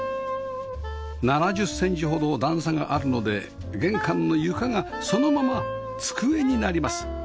７０センチほど段差があるので玄関の床がそのまま机になります